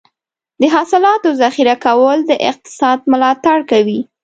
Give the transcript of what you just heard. د حاصلاتو ذخیره کول د اقتصاد ملاتړ کوي.